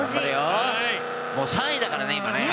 もう３位だからね、今。